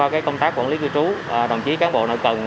các quản lý cư trú đồng chí cán bộ nội cần